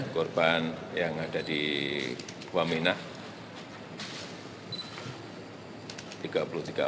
korban yang ada di wamena